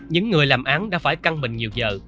những người làm án đã phải căng mình nhiều giờ